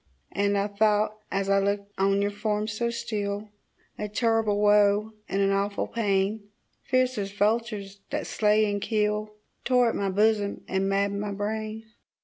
And I thought as I looked on your form so still, A terrible woe, and an awful pain, Fierce as vultures that slay and kill, Tore at my bosom and maddened my brain.